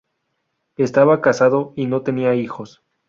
Estaba casado y no tenía hijos.